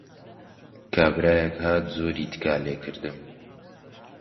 کابرایەک هات زۆری تکا لێ کردم: